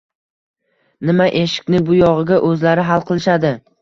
nima ekishni bu yog‘iga o‘zlari hal qilishadi